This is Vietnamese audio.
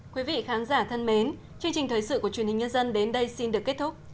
quý vị khán giả thân mến chương trình thời sự của truyền hình nhân dân đến đây xin được kết thúc